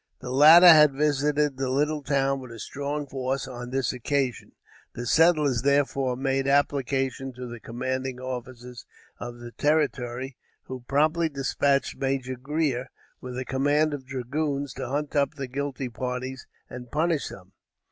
The latter had visited the little town with a strong force on this occasion; the settlers, therefore, made application to the commanding officer of the territory, who promptly dispatched Major Grier with a command of dragoons to hunt up the guilty parties and punish them.